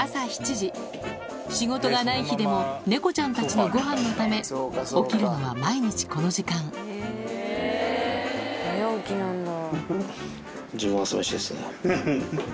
仕事がない日でもネコちゃんたちのごはんのため起きるのは毎日この時間早起きなんだ。